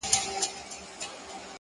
څنگه دي وستايمه ـ